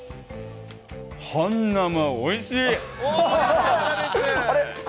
半生、おいしい。